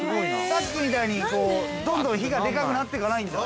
◆さっきみたいに、どんどん火がでかくなっていかないんだ。